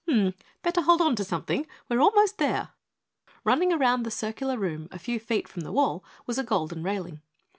Mm better hold on to something, we're almost there!" Running around the circular room a few feet from the wall was a gold railing.